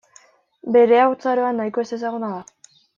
Bere haurtzaroa nahiko ezezaguna da.